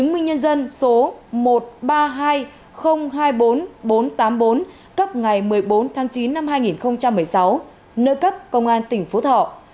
kinh nhân dân số một ba hai không hai bốn bốn tám bốn cấp ngày một mươi bốn tháng chín năm hai nghìn một mươi sáu nơi cấp công an tỉnh phú thọ